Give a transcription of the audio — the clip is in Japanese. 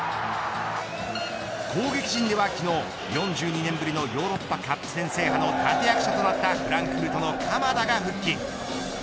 攻撃陣では昨日４２年ぶりのヨーロッパカップ戦制覇の立て役者となったフランクフルトの鎌田が復帰。